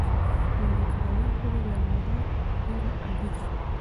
پنځه کلنۍ پورې لنډمهاله ویره عادي ده.